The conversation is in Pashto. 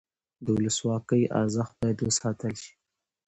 د ولسواکۍ ارزښت باید وساتل شي